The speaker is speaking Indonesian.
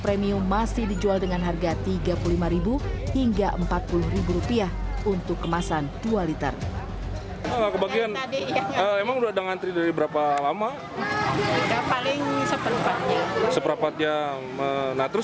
premium masih dijual dengan harga tiga puluh lima hingga empat puluh rupiah untuk kemasan dua liter